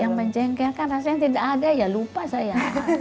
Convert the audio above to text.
yang menjengkelkan rasanya tidak ada ya lupa saya